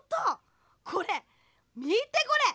これみてこれ！